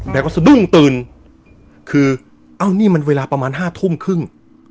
แล้วก็สะดุ้งตื่นคือเอ้านี่มันเวลาประมาณห้าทุ่มครึ่ง